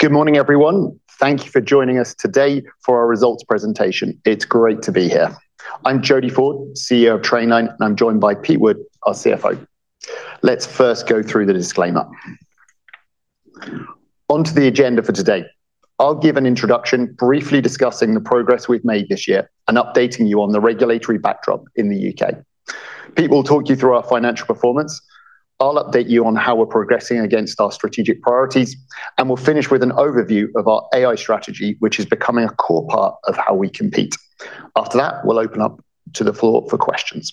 Good morning, everyone. Thank you for joining us today for our results presentation. It's great to be here. I'm Jody Ford, CEO of Trainline, and I'm joined by Pete Wood, our CFO. Let's first go through the disclaimer. Onto the agenda for today. I'll give an introduction briefly discussing the progress we've made this year and updating you on the regulatory backdrop in the U.K. Pete will talk you through our financial performance. I'll update you on how we're progressing against our strategic priorities, and we'll finish with an overview of our AI strategy, which is becoming a core part of how we compete. After that, we'll open up to the floor for questions.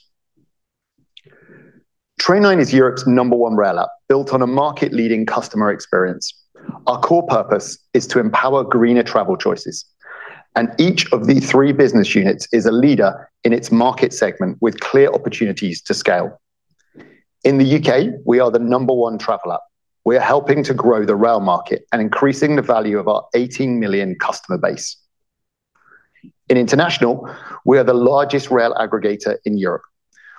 Trainline is Europe's number one rail app, built on a market leading customer experience. Our core purpose is to empower greener travel choices, and each of the three business units is a leader in its market segment with clear opportunities to scale. In the U.K., we are the number one travel app. We are helping to grow the rail market and increasing the value of our 18 million customer base. In International, we are the largest rail aggregator in Europe.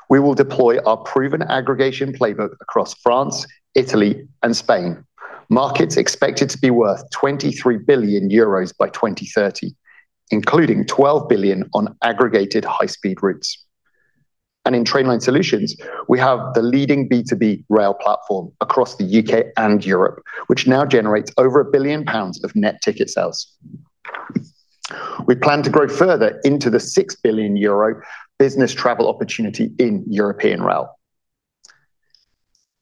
We will deploy our proven aggregation playbook across France, Italy and Spain. Markets expected to be worth 23 billion euros by 2030, including 12 billion on aggregated high speed routes. In Trainline Partner Solutions, we have the leading B2B rail platform across the U.K. and Europe, which now generates over 1 billion pounds of net ticket sales. We plan to grow further into the 6 billion euro business travel opportunity in European rail.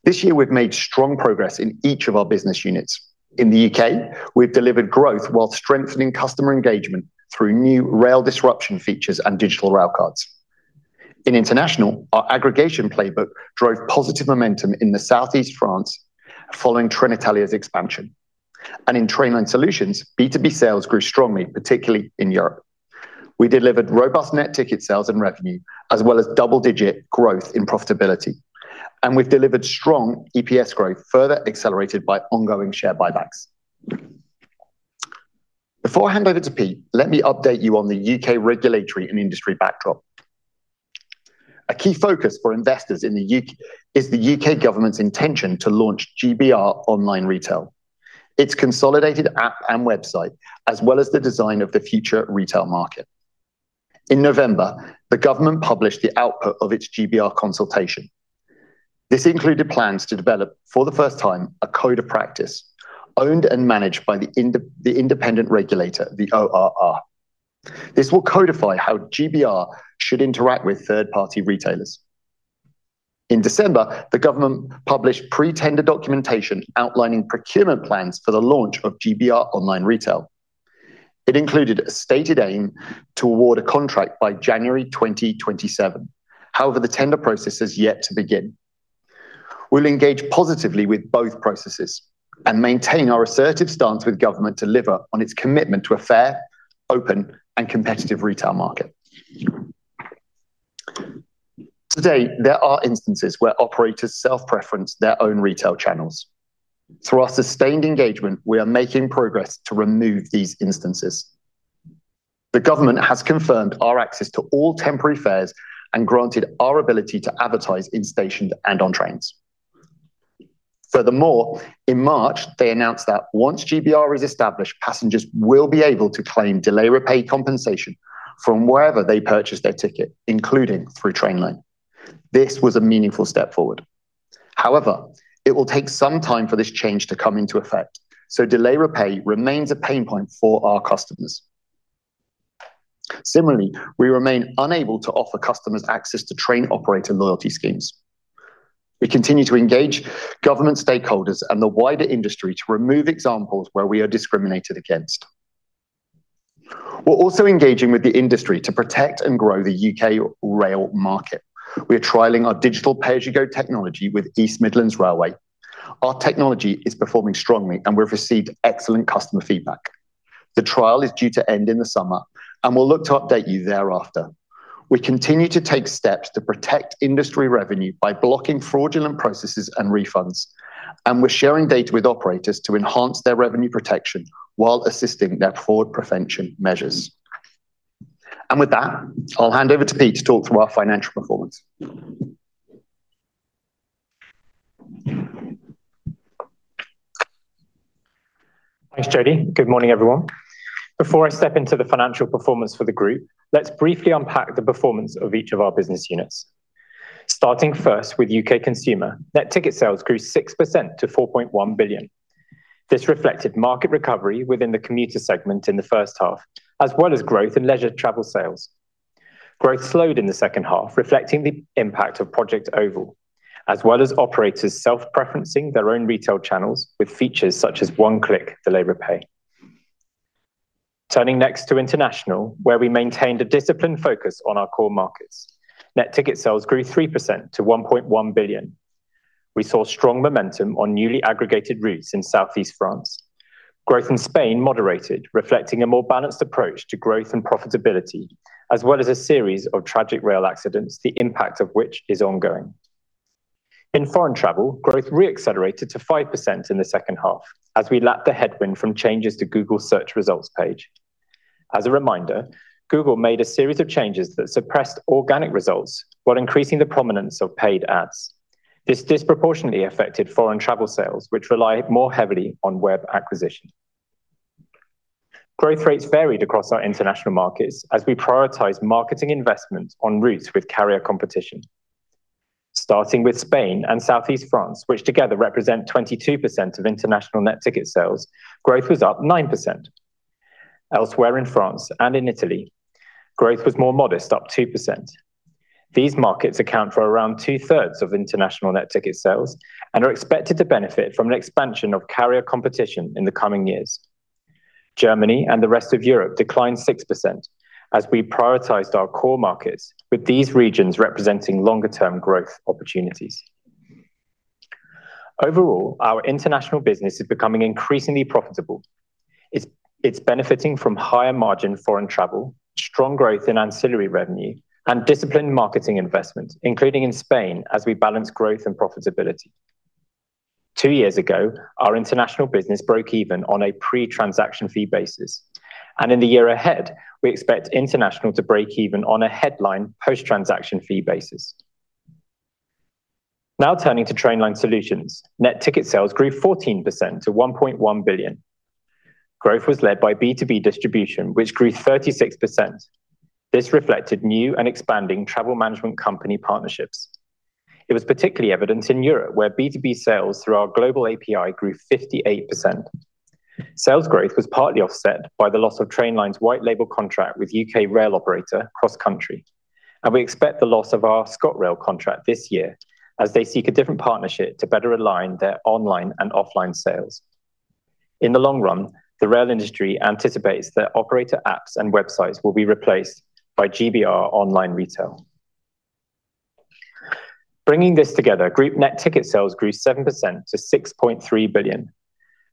This year, we've made strong progress in each of our business units. In the U.K., we've delivered growth while strengthening customer engagement through new rail disruption features and digital railcards. In international, our aggregation playbook drove positive momentum in the Southeast France following Trenitalia's expansion. In Trainline solutions, B2B sales grew strongly, particularly in Europe. We delivered robust net ticket sales and revenue, as well as double-digit growth in profitability. We've delivered strong EPS growth, further accelerated by ongoing share buybacks. Before I hand over to Pete, let me update you on the U.K. regulatory and industry backdrop. A key focus for investors in the U.K. is the U.K. government's intention to launch GBR online retail, its consolidated app and website, as well as the design of the future retail market. In November, the government published the output of its GBR consultation. This included plans to develop, for the first time, a code of practice owned and managed by the independent regulator, the ORR. This will codify how GBR should interact with third-party retailers. In December, the government published pre-tender documentation outlining procurement plans for the launch of GBR online retail. It included a stated aim to award a contract by January 2027. The tender process has yet to begin. We'll engage positively with both processes and maintain our assertive stance with government deliver on its commitment to a fair, open and competitive retail market. Today there are instances where operators self-preference their own retail channels. Through our sustained engagement, we are making progress to remove these instances. The government has confirmed our access to all temporary fares and granted our ability to advertise in stations and on trains. Furthermore, in March, they announced that once GBR is established, passengers will be able to claim Delay Repay compensation from wherever they purchase their ticket, including through Trainline. This was a meaningful step forward. However, it will take some time for this change to come into effect, so Delay Repay remains a pain point for our customers. Similarly, we remain unable to offer customers access to train operator loyalty schemes. We continue to engage government stakeholders and the wider industry to remove examples where we are discriminated against. We're also engaging with the industry to protect and grow the U.K. rail market. We are trialing our Digital Pay-As-You-Go technology with East Midlands Railway. Our technology is performing strongly, and we've received excellent customer feedback. The trial is due to end in the summer, and we'll look to update you thereafter. We continue to take steps to protect industry revenue by blocking fraudulent processes and refunds, and we're sharing data with operators to enhance their revenue protection while assisting their fraud prevention measures. With that, I'll hand over to Pete to talk through our financial performance. Thanks, Jody. Good morning, everyone. Before I step into the financial performance for the group, let's briefly unpack the performance of each of our business units. Starting first with U.K. consumer, net ticket sales grew 6% to 4.1 billion. This reflected market recovery within the commuter segment in the first half, as well as growth in leisure travel sales. Growth slowed in the second half, reflecting the impact of Project Oval, as well as operators self-preferencing their own retail channels with features such as one-click Delay Repay. Turning next to international, where we maintained a disciplined focus on our core markets. Net ticket sales grew 3% to 1.1 billion. We saw strong momentum on newly aggregated routes in Southeast France. Growth in Spain moderated, reflecting a more balanced approach to growth and profitability, as well as a series of tragic rail accidents, the impact of which is ongoing. In foreign travel, growth re-accelerated to 5% in the second half as we lapped the headwind from changes to Google search results page. As a reminder, Google made a series of changes that suppressed organic results while increasing the prominence of paid ads. This disproportionately affected foreign travel sales, which rely more heavily on web acquisition. Growth rates varied across our international markets as we prioritized marketing investment on routes with carrier competition. Starting with Spain and Southeast France, which together represent 22% of international net ticket sales, growth was up 9%. Elsewhere in France and in Italy, growth was more modest, up 2%. These markets account for around two-thirds of international net ticket sales and are expected to benefit from an expansion of carrier competition in the coming years. Germany and the rest of Europe declined 6% as we prioritized our core markets, with these regions representing longer-term growth opportunities. Overall our international business is becoming increasingly profitable. It's benefiting from higher margin foreign travel, strong growth in ancillary revenue, and disciplined marketing investment, including in Spain as we balance growth and profitability. Two years ago, our international business broke even on a pre-transaction fee basis, and in the year ahead, we expect international to break even on a headline post-transaction fee basis. Now turning to Trainline solutions. Net ticket sales grew 14% to 1.1 billion. Growth was led by B2B distribution, which grew 36%. This reflected new and expanding travel management company partnerships. It was particularly evident in Europe, where B2B sales through our Global API grew 58%. Sales growth was partly offset by the loss of Trainline's white label contract with U.K. rail operator CrossCountry, and we expect the loss of our ScotRail contract this year as they seek a different partnership to better align their online and offline sales. In the long run, the rail industry anticipates that operator apps and websites will be replaced by GBR online retail. Bringing this together, group net ticket sales grew 7% to 6.3 billion.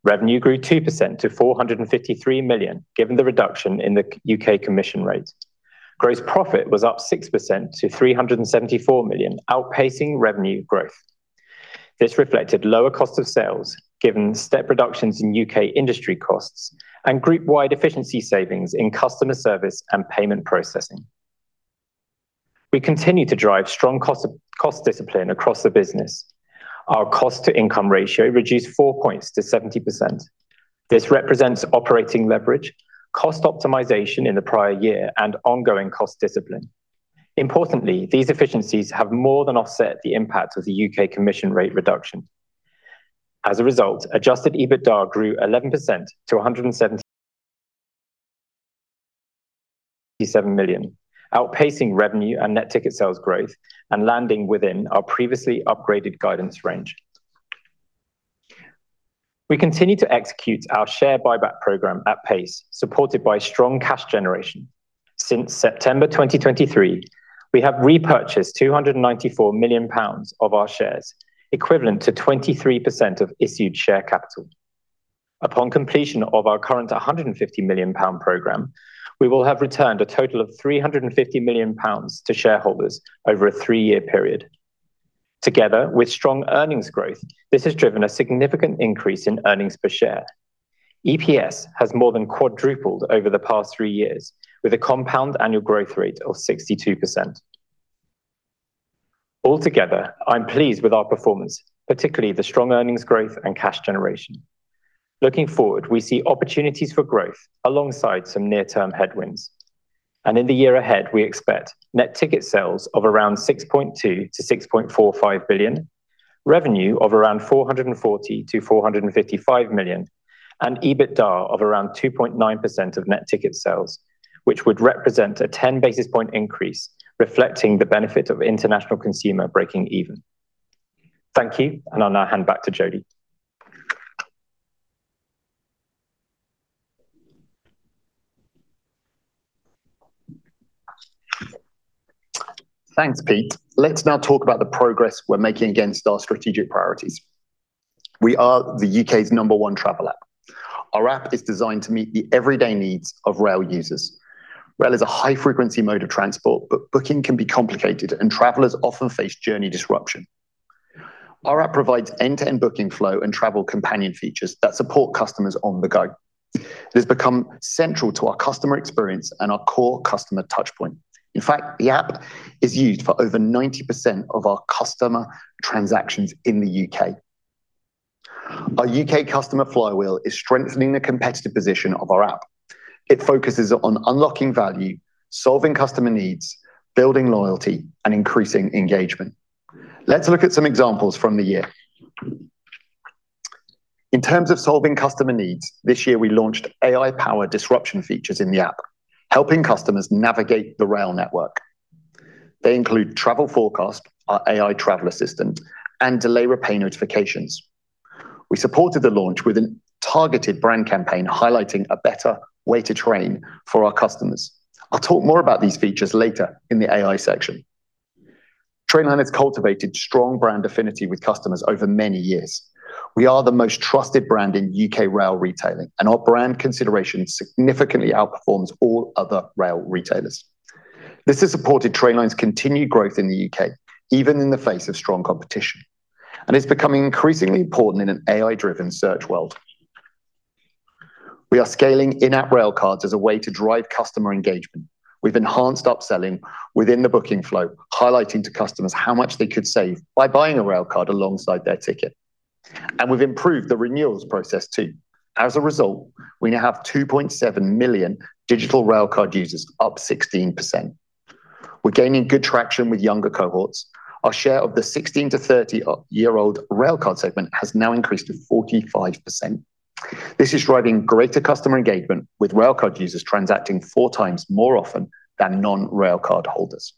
Revenue grew 2% to 453 million, given the reduction in the U.K. commission rate. Gross profit was up 6% to 374 million, outpacing revenue growth. This reflected lower cost of sales given step reductions in U.K. industry costs and group-wide efficiency savings in customer service and payment processing. We continue to drive strong cost discipline across the business. Our cost-to-income ratio reduced 4 points to 70%. This represents operating leverage, cost optimization in the prior year, and ongoing cost discipline. Importantly, these efficiencies have more than offset the impact of the U.K. commission rate reduction. As a result adjusted EBITDA grew 11% to 177 million, outpacing revenue and net ticket sales growth and landing within our previously upgraded guidance range. We continue to execute our share buyback program at pace, supported by strong cash generation. Since September 2023, we have repurchased 294 million pounds of our shares, equivalent to 23% of issued share capital. Upon completion of our current 150 million pound program, we will have returned a total of 350 million pounds to shareholders over a three-year period. Together with strong earnings growth, this has driven a significant increase in earnings per share. EPS has more than quadrupled over the past three years with a compound annual growth rate of 62%. Altogether, I'm pleased with our performance, particularly the strong earnings growth and cash generation. Looking forward, we see opportunities for growth alongside some near-term headwinds. In the year ahead, we expect net ticket sales of around 6.2 billion-6.45 billion, revenue of around 440 million-455 million, and EBITDA of around 2.9% of net ticket sales, which would represent a 10 basis point increase reflecting the benefit of international consumer breaking even. Thank you, and I'll now hand back to Jody. Thanks, Pete. Let's now talk about the progress we're making against our strategic priorities. We are the U.K.'s number one travel app. Our app is designed to meet the everyday needs of rail users. Rail is a high-frequency mode of transport, but booking can be complicated and travelers often face journey disruption. Our app provides end-to-end booking flow and travel companion features that support customers on the go. It has become central to our customer experience and our core customer touch point. In fact, the app is used for over 90% of our customer transactions in the U.K. Our U.K. customer flywheel is strengthening the competitive position of our app. It focuses on unlocking value, solving customer needs, building loyalty, and increasing engagement. Let's look at some examples from the year. In terms of solving customer needs, this year we launched AI-powered disruption features in the app, helping customers navigate the rail network. They include Travel Forecast, our AI travel assistant, and Delay Repay notifications. We supported the launch with a targeted brand campaign highlighting a better way to train for our customers. I'll talk more about these features later in the AI section. Trainline has cultivated strong brand affinity with customers over many years. We are the most trusted brand in U.K. rail retailing, and our brand consideration significantly outperforms all other rail retailers. This has supported Trainline's continued growth in the U.K., even in the face of strong competition, and it's becoming increasingly important in an AI-driven search world. We are scaling in-app railcards as a way to drive customer engagement. We've enhanced upselling within the booking flow, highlighting to customers how much they could save by buying a railcard alongside their ticket. We've improved the renewals process too. As a result, we now have 2.7 million digital railcard users, up 16%. We're gaining good traction with younger cohorts. Our share of the 16 to 30-year-old railcard segment has now increased to 45%. This is driving greater customer engagement, with railcard users transacting four times more often than non-railcard holders.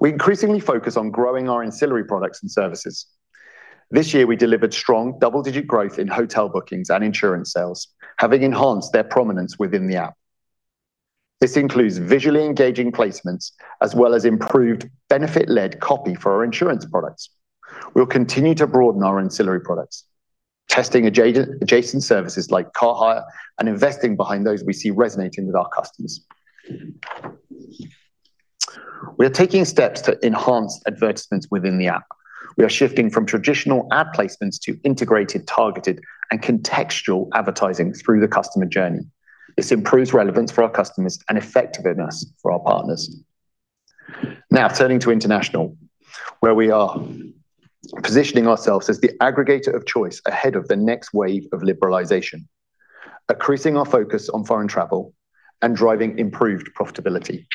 We increasingly focus on growing our ancillary products and services. This year, we delivered strong double-digit growth in hotel bookings and insurance sales, having enhanced their prominence within the app. This includes visually engaging placements as well as improved benefit-led copy for our insurance products. We'll continue to broaden our ancillary products, testing adjacent services like car hire and investing behind those we see resonating with our customers. We are taking steps to enhance advertisements within the app. We are shifting from traditional ad placements to integrated, targeted, and contextual advertising through the customer journey. This improves relevance for our customers and effectiveness for our partners. Now, turning to international, where we are positioning ourselves as the aggregator of choice ahead of the next wave of liberalization, increasing our focus on foreign travel and driving improved profitability.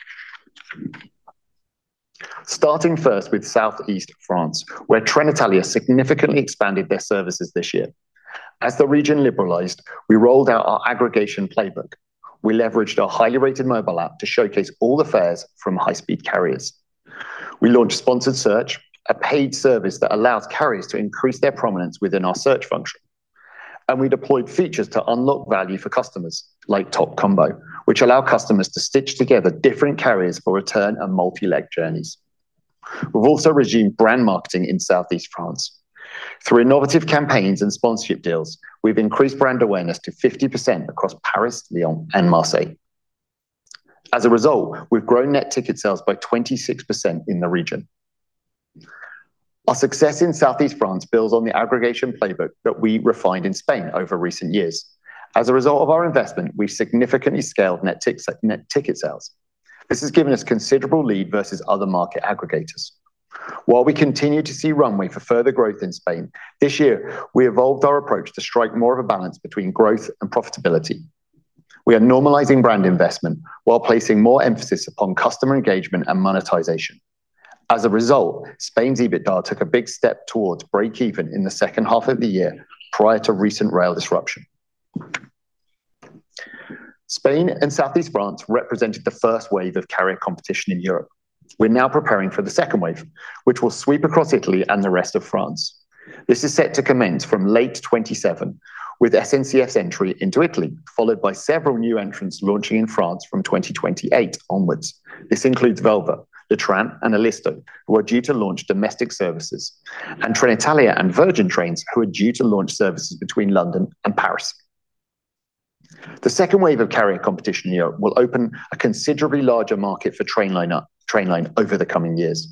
Starting first with Southeast France, where Trenitalia significantly expanded their services this year. As the region liberalized, we rolled out our aggregation playbook. We leveraged our highly rated mobile app to showcase all the fares from high-speed carriers. We launched Sponsored Search, a paid service that allows carriers to increase their prominence within our search function. We deployed features to unlock value for customers, like TopCombo, which allow customers to stitch together different carriers for return and multi-leg journeys. We've also resumed brand marketing in Southeast France. Through innovative campaigns and sponsorship deals, we've increased brand awareness to 50% across Paris, Lyon, and Marseille. As a result, we've grown net ticket sales by 26% in the region. Our success in Southeast France builds on the aggregation playbook that we refined in Spain over recent years. As a result of our investment, we've significantly scaled net ticket sales. This has given us considerable lead versus other market aggregators. While we continue to see runway for further growth in Spain, this year we evolved our approach to strike more of a balance between growth and profitability. We are normalizing brand investment while placing more emphasis upon customer engagement and monetization. As a result, Spain's EBITDA took a big step towards break even in the second half of the year prior to recent rail disruption. Spain and Southeast France represented the first wave of carrier competition in Europe. We're now preparing for the second wave, which will sweep across Italy and the rest of France. This is set to commence from late 2027, with SNCF's entry into Italy, followed by several new entrants launching in France from 2028 onwards. This includes Velvet, Le Train, and Ilisto, who are due to launch domestic services, and Trenitalia and Virgin Trains, who are due to launch services between London and Paris. The second wave of carrier competition in Europe will open a considerably larger market for Trainline over the coming years.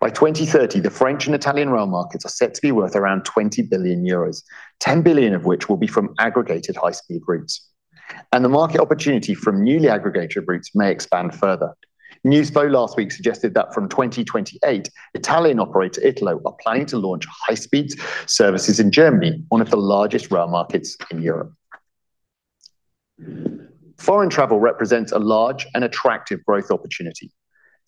By 2030, the French and Italian rail markets are set to be worth around 20 billion euros, 10 billion of which will be from aggregated high-speed routes. The market opportunity from newly aggregated routes may expand further. News flow last week suggested that from 2028, Italian operator Italo are planning to launch high-speed services in Germany, one of the largest rail markets in Europe. Foreign travel represents a large and attractive growth opportunity.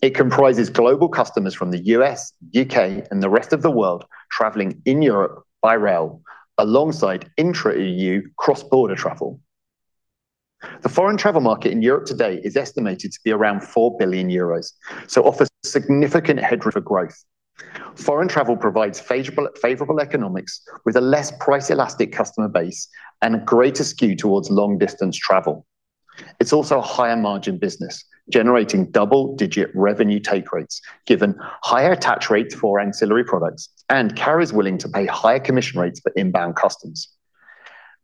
It comprises global customers from the U.S., U.K., and the rest of the world traveling in Europe by rail, alongside intra-EU cross-border travel. The foreign travel market in Europe today is estimated to be around 4 billion euros, so offers significant headroom for growth. Foreign travel provides favorable economics with a less price-elastic customer base and a greater skew towards long-distance travel. It's also a higher margin business, generating double-digit revenue take rates, given higher attach rates for ancillary products and carriers willing to pay higher commission rates for inbound customers.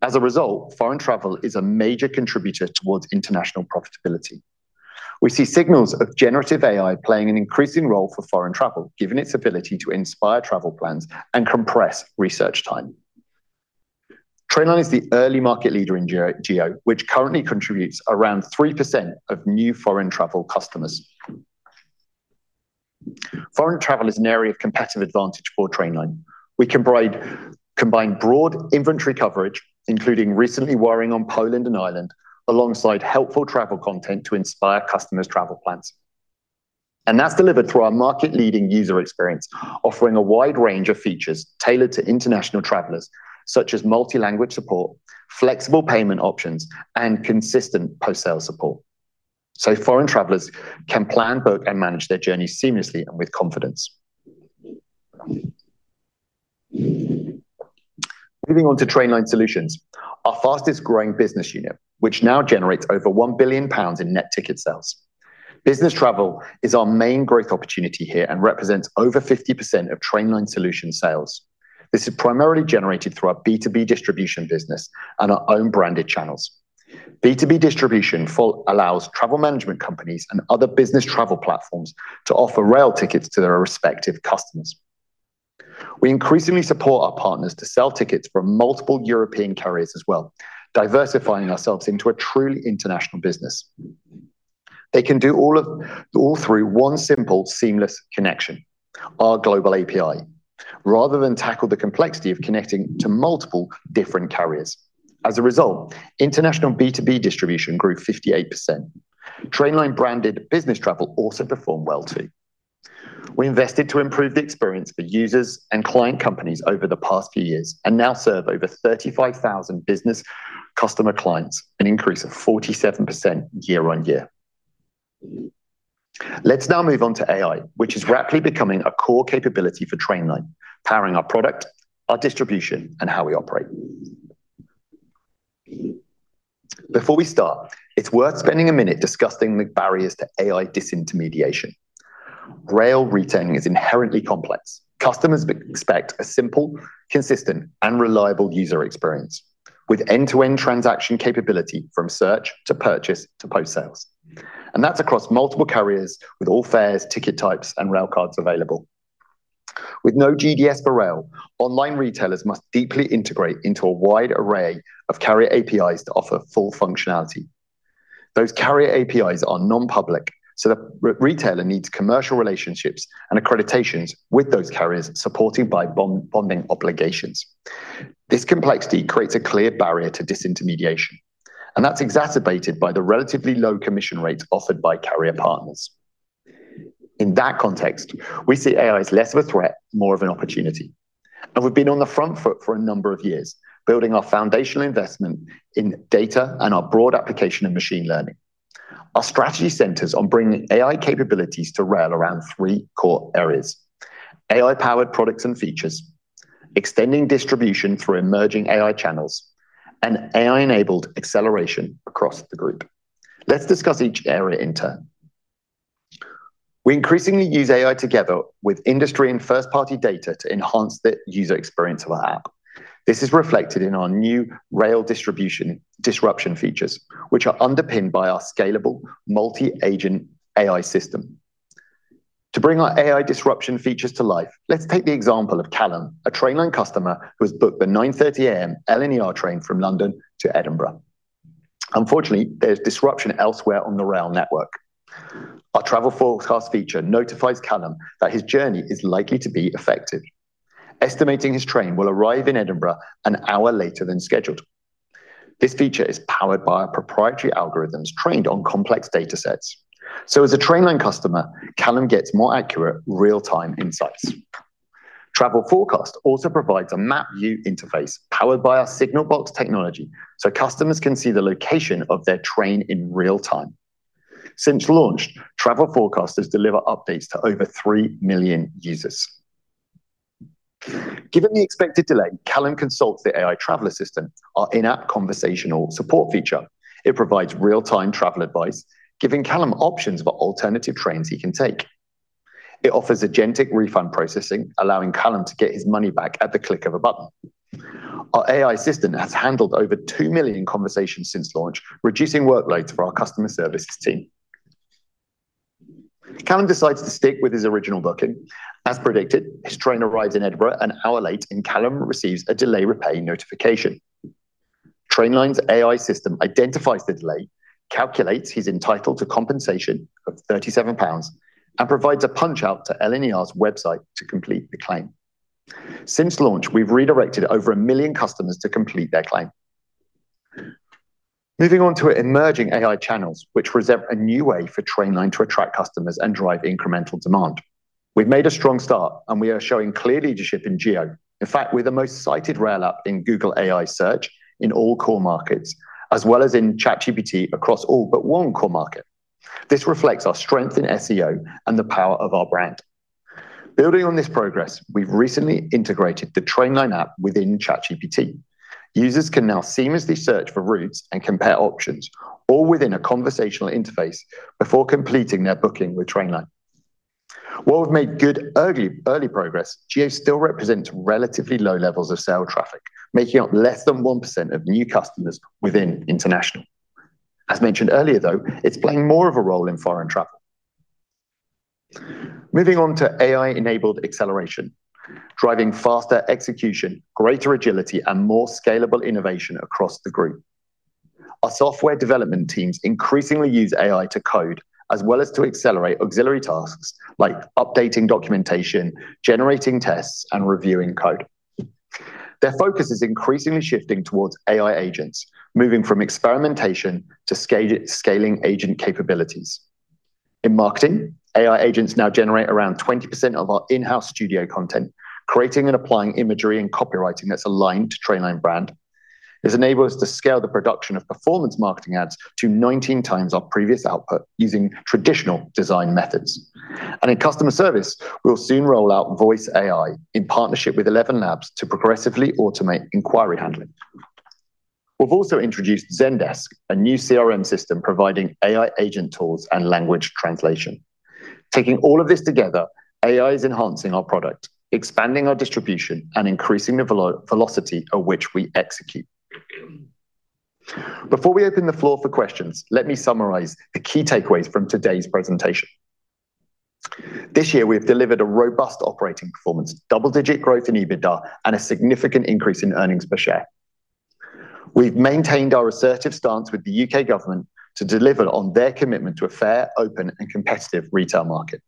As a result foreign travel is a major contributor towards international profitability. We see signals of generative AI playing an increasing role for foreign travel, given its ability to inspire travel plans and compress research time. Trainline is the early market leader in GEO, which currently contributes around 3% of new foreign travel customers. Foreign travel is an area of competitive advantage for Trainline. We combine broad inventory coverage, including recently onboarding Poland and Ireland, alongside helpful travel content to inspire customers' travel plans. That's delivered through our market-leading user experience, offering a wide range of features tailored to international travelers, such as multi-language support, flexible payment options, and consistent post-sale support, so foreign travelers can plan, book, and manage their journey seamlessly and with confidence. Moving on to Trainline Partner Solutions, our fastest-growing business unit, which now generates over 1 billion pounds in net ticket sales. Business travel is our main growth opportunity here and represents over 50% of Trainline Partner Solutions sales. This is primarily generated through our B2B distribution business and our own branded channels. B2B distribution allows travel management companies and other business travel platforms to offer rail tickets to their respective customers. We increasingly support our partners to sell tickets from multiple European carriers as well, diversifying ourselves into a truly international business. They can do all through one simple seamless connection, our Global API, rather than tackle the complexity of connecting to multiple different carriers. As a result, international B2B distribution grew 58%. Trainline branded business travel also performed well too. We invested to improve the experience for users and client companies over the past few years, now serve over 35,000 business customer clients, an increase of 47% year-on-year. Let's now move on to AI, which is rapidly becoming a core capability for Trainline, powering our product, our distribution, and how we operate. Before we start, it's worth spending a minute discussing the barriers to AI disintermediation. Rail retailing is inherently complex. Customers expect a simple, consistent, and reliable user experience with end-to-end transaction capability from search, to purchase, to post-sales. That's across multiple carriers with all fares, ticket types, and rail cards available. With no GDS for rail, online retailers must deeply integrate into a wide array of carrier APIs to offer full functionality. Those carrier APIs are non-public, so the retailer needs commercial relationships and accreditations with those carriers supported by bonding obligations. This complexity creates a clear barrier to disintermediation. That's exacerbated by the relatively low commission rates offered by carrier partners. In that context, we see AI as less of a threat, more of an opportunity. We've been on the front foot for a number of years, building our foundational investment in data and our broad application in machine learning. Our strategy centers on bringing AI capabilities to rail around three core areas: AI-powered products and features, extending distribution through emerging AI channels, and AI-enabled acceleration across the group. Let's discuss each area in turn. We increasingly use AI together with industry and first-party data to enhance the user experience of our app. This is reflected in our new rail distribution disruption features, which are underpinned by our scalable multi-agent AI system. To bring our AI disruption features to life, let's take the example of Callum, a Trainline customer who has booked the 9:30 A.M. LNER train from London to Edinburgh. Unfortunately, there's disruption elsewhere on the rail network. Our Travel Forecast feature notifies Callum that his journey is likely to be affected, estimating his train will arrive in Edinburgh an hour later than scheduled. This feature is powered by our proprietary algorithms trained on complex datasets. As a Trainline customer, Callum gets more accurate real-time insights. Travel Forecast also provides a map view interface powered by our Signalbox technology, so customers can see the location of their train in real time. Since launch, Travel Forecast deliver updates to over three million users. Given the expected delay, Callum consults the Trainline Assistant, our in-app conversational support feature. It provides real-time travel advice, giving Callum options for alternative trains he can take. It offers agentic refund processing, allowing Callum to get his money back at the click of a button. Our AI assistant has handled over two million conversations since launch, reducing workloads for our customer services team. Callum decides to stick with his original booking. As predicted, his train arrives in Edinburgh an hour late, and Callum receives a Delay Repay notification. Trainline's AI system identifies the delay, calculates he's entitled to compensation of 37 pounds, and provides a punch-out to LNER's website to complete the claim. Since launch, we've redirected over one million customers to complete their claim. Moving on to emerging AI channels, which serve a new way for Trainline to attract customers and drive incremental demand. We've made a strong start, we are showing clear leadership in GEO. In fact, we're the most cited rail app in Google AI search in all core markets, as well as in ChatGPT across all but one core market. This reflects our strength in SEO and the power of our brand. Building on this progress, we've recently integrated the Trainline app within ChatGPT. Users can now seamlessly search for routes and compare options, all within a conversational interface before completing their booking with Trainline. While we've made good early progress, GEO still represents relatively low levels of sale traffic, making up less than 1% of new customers within international. As mentioned earlier, though, it's playing more of a role in foreign travel. Moving on to AI-enabled acceleration, driving faster execution, greater agility, and more scalable innovation across the group. Our software development teams increasingly use AI to code, as well as to accelerate auxiliary tasks like updating documentation, generating tests, and reviewing code. Their focus is increasingly shifting towards AI agents, moving from experimentation to scaling agent capabilities. In marketing, AI agents now generate around 20% of our in-house studio content, creating and applying imagery and copywriting that's aligned to Trainline brand. This enable us to scale the production of performance marketing ads to 19x our previous output using traditional design methods. In customer service, we'll soon roll out voice AI in partnership with ElevenLabs to progressively automate inquiry handling. We've also introduced Zendesk, a new CRM system providing AI agent tools and language translation. Taking all of this together, AI is enhancing our product, expanding our distribution, and increasing the velocity at which we execute. Before we open the floor for questions, let me summarize the key takeaways from today's presentation. This year, we have delivered a robust operating performance, double-digit growth in EBITDA, and a significant increase in earnings per share. We've maintained our assertive stance with the U.K. government to deliver on their commitment to a fair, open, and competitive retail market.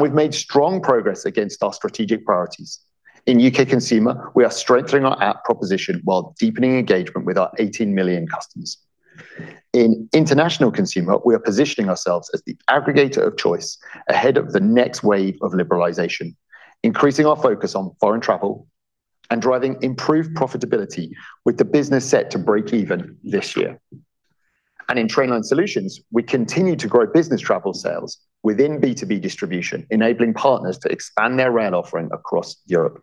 We've made strong progress against our strategic priorities. In U.K. consumer, we are strengthening our app proposition while deepening engagement with our 18 million customers. In international consumer, we are positioning ourselves as the aggregator of choice ahead of the next wave of liberalization, increasing our focus on foreign travel, and driving improved profitability with the business set to break even this year. In Trainline Partner Solutions, we continue to grow business travel sales within B2B distribution, enabling partners to expand their rail offering across Europe.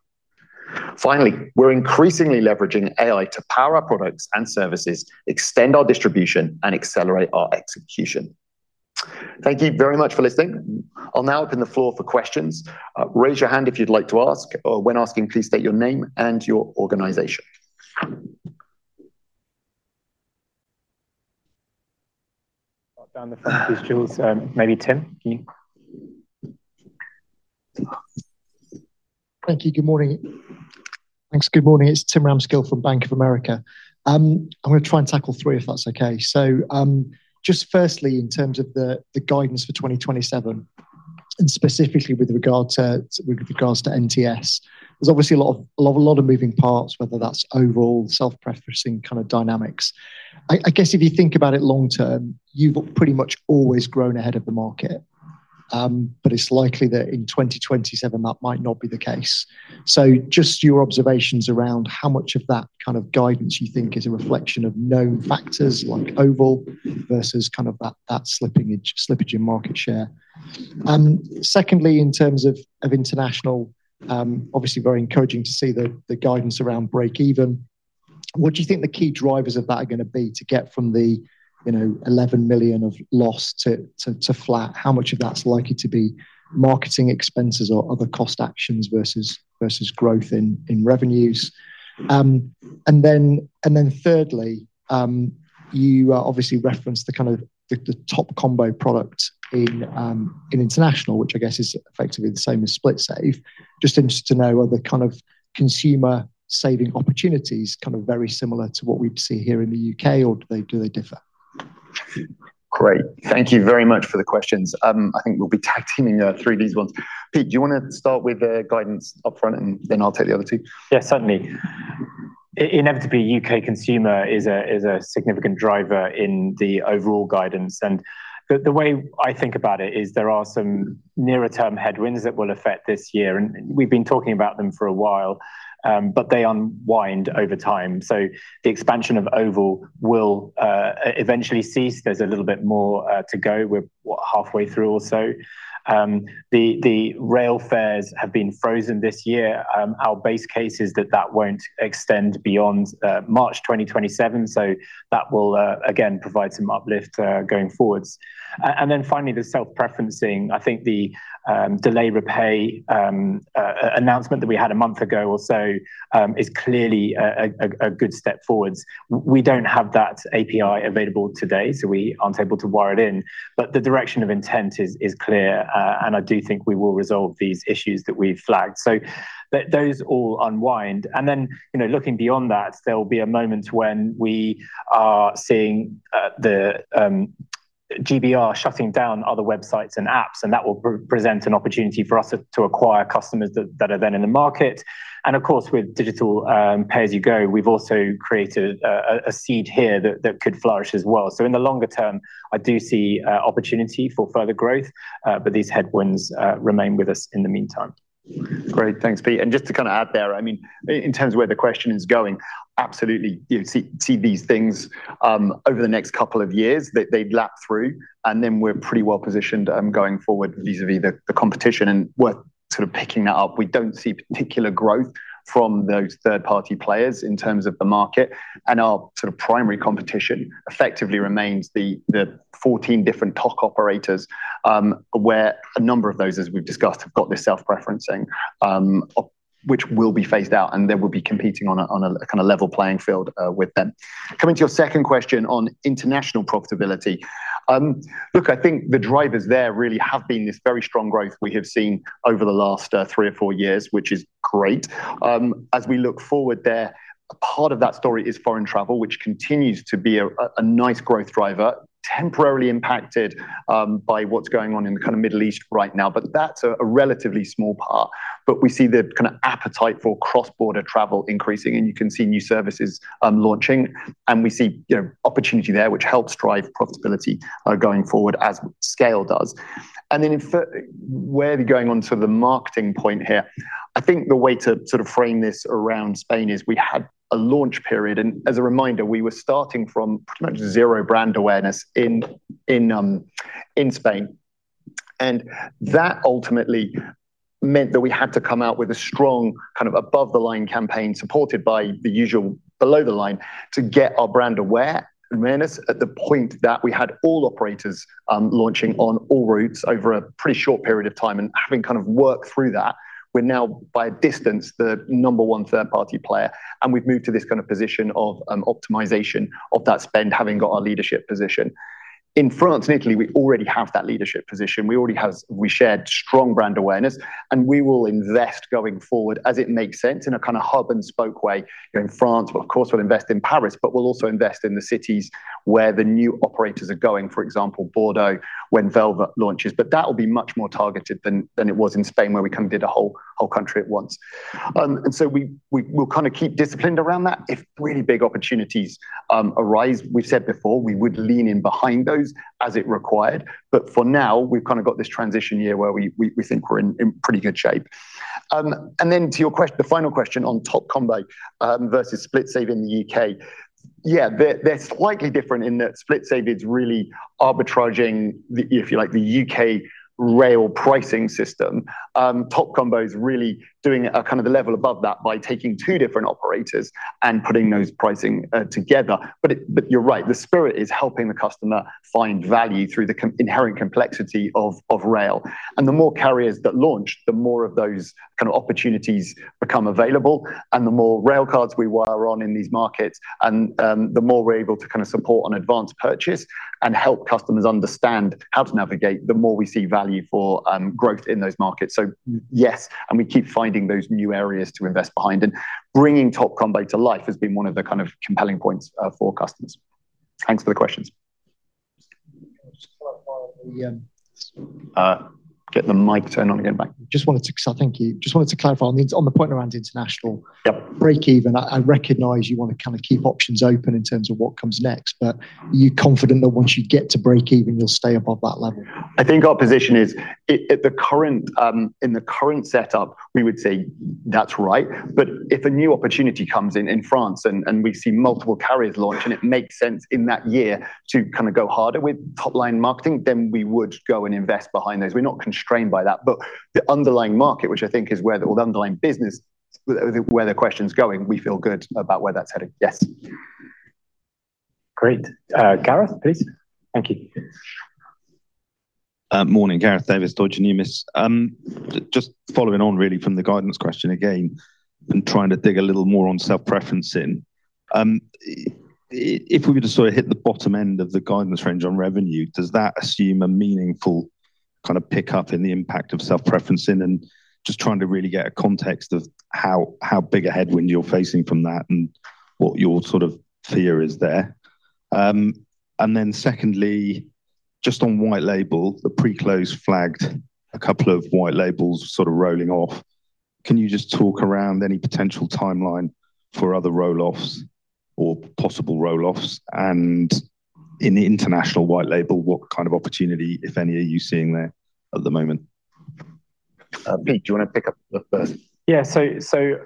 Finally, we're increasingly leveraging AI to power our products and services, extend our distribution, and accelerate our execution. Thank you very much for listening. I'll now open the floor for questions. Raise your hand if you'd like to ask. When asking, please state your name and your organization. Start down the front, please, Jules. Maybe Tim, can you? Thank you. Good morning. Thanks. Good morning. It's Tim Ramskill from Bank of America. I'm gonna try and tackle three, if that's okay. Just firstly, in terms of the guidance for 2027, and specifically with regard to NTS, there's obviously a lot of moving parts, whether that's overall self-preferencing kind of dynamics. I guess if you think about it long term, you've pretty much always grown ahead of the market. It's likely that in 2027 that might not be the case. Just your observations around how much of that kind of guidance you think is a reflection of known factors like Oval versus kind of that slipping, slippage in market share. Secondly, in terms of international, obviously very encouraging to see the guidance around break even. What do you think the key drivers of that are gonna be to get from the, you know, 11 million of loss to flat? How much of that's likely to be marketing expenses or other cost actions versus growth in revenues? And then thirdly, you obviously referenced the kind of the TopCombo product in international, which I guess is effectively the same as SplitSave. Just interested to know, are the kind of consumer saving opportunities kind of very similar to what we see here in the U.K., or do they differ? Great. Thank you very much for the questions. I think we'll be tag teaming through these ones. Pete, do you wanna start with the guidance up front and then I'll take the other two? Certainly. Inevitably U.K. consumer is a significant driver in the overall guidance, and the way I think about it is there are some nearer term headwinds that will affect this year, and we've been talking about them for a while, but they unwind over time. The expansion of Oval will eventually cease. There's a little bit more to go. We're what, halfway through or so. The rail fares have been frozen this year. Our base case is that won't extend beyond March 2027. That will again provide some uplift going forwards. Finally, the self-preferencing. I think the Delay Repay announcement that we had a month ago or so is clearly a good step forwards. We don't have that API available today, so we aren't able to wire it in, but the direction of intent is clear, and I do think we will resolve these issues that we've flagged. Those all unwind. Then, you know, looking beyond that, there'll be a moment when we are seeing the GBR shutting down other websites and apps, and that will present an opportunity for us to acquire customers that are then in the market. Of course, with Digital Pay-As-You-Go, we've also created a seed here that could flourish as well. In the longer term, I do see opportunity for further growth, but these headwinds remain with us in the meantime. Great. Thanks, Pete. Just to kind of add there, I mean, in terms of where the question is going, absolutely you see these things, over the next couple of years that they lap through. Then we're pretty well positioned going forward vis-a-vis the competition. Worth sort of picking that up. We don't see particular growth from those third-party players in terms of the market. Our sort of primary competition effectively remains the 14 different TOC operators, where a number of those, as we've discussed, have got this self-preferencing, which will be phased out. Then we'll be competing on a kind of level playing field with them. Coming to your second question on international profitability, look, I think the drivers there really have been this very strong growth we have seen over the last three or four years, which is great. As we look forward there, part of that story is foreign travel, which continues to be a nice growth driver, temporarily impacted by what's going on in the kind of Middle East right now, but that's a relatively small part. We see the kind of appetite for cross-border travel increasing, and you can see new services launching, and we see, you know, opportunity there which helps drive profitability going forward as scale does. Where we're going on to the marketing point here, I think the way to sort of frame this around Spain is we had a launch period, and as a reminder, we were starting from pretty much zero brand awareness in Spain. That ultimately meant that we had to come out with a strong kind of above the line campaign supported by the usual below the line to get our brand awareness at the point that we had all operators launching on all routes over a pretty short period of time. Having kind of worked through that, we're now by a distance the number one third party player, and we've moved to this kind of position of optimization of that spend having got our leadership position. In France and Italy, we already have that leadership position. We already have we shared strong brand awareness. We will invest going forward as it makes sense in a kind of hub and spoke way. You know, in France, of course, we'll invest in Paris, but we'll also invest in the cities where the new operators are going, for example, Bordeaux, when Velvet launches. That will be much more targeted than it was in Spain where we kind of did a whole country at once. We will kind of keep disciplined around that. If really big opportunities arise, we've said before we would lean in behind those as it required. For now, we've kind of got this transition year where we think we're in pretty good shape. To your final question on TopCombo versus SplitSave in the U.K. Yeah, they're slightly different in that SplitSave is really arbitraging the, if you like, the U.K. rail pricing system. TopCombo is really doing a kind of a level above that by taking two different operators and putting those pricing together. You're right, the spirit is helping the customer find value through the inherent complexity of rail. The more carriers that launch, the more of those kind of opportunities become available, and the more rail cards we were on in these markets, the more we're able to kind of support an advance purchase and help customers understand how to navigate, the more we see value for growth in those markets. Yes, and we keep finding those new areas to invest behind. Bringing TopCombo to life has been one of the kind of compelling points for customers. Thanks for the questions. Just clarify the. Get the mic turned on again, mate. Just wanted to clarify on the point around international- Yep ...breakeven. I recognize you wanna kind of keep options open in terms of what comes next. Are you confident that once you get to breakeven you'll stay above that level? I think our position is at the current, in the current setup, we would say that's right. If a new opportunity comes in in France, and we see multiple carriers launch and it makes sense in that year to kind of go harder with top line marketing, then we would go and invest behind those. We're not constrained by that. The underlying market, which I think is where the underlying business, where the question's going, we feel good about where that's headed. Yes. Great. Gareth, please. Thank you. Morning. Gareth Davis, Deutsche Numis. Just following on really from the guidance question again and trying to dig a little more on self-preferencing. If we were to sort of hit the bottom end of the guidance range on revenue, does that assume a meaningful kind of pick up in the impact of self-preferencing? Just trying to really get a context of how big a headwind you're facing from that and what your sort of fear is there. Secondly, just on white label, the pre-close flagged a couple of white labels sort of rolling off. Can you just talk around any potential timeline for other roll-offs or possible roll-offs? In the international white label, what kind of opportunity, if any, are you seeing there at the moment? Pete, do you wanna pick up the first? So